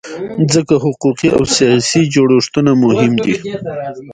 ځکه حقوقي او سیاسي جوړښتونه مهم دي.